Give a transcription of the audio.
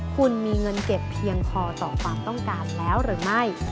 คุณมีเงินเก็บเพียงพอต่อความต้องการแล้วหรือไม่